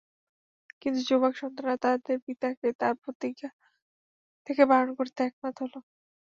কিন্তু যুবক সন্তানরা তাদের পিতাকে তাঁর প্রতিজ্ঞা থেকে বারণ করতে একমত হল।